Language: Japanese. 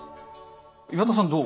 岩田さんどう？